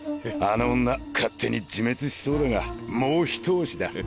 あの女勝手に自滅しそうだがもうひと押しだ。